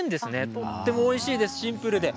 とてもおいしいです、シンプルで。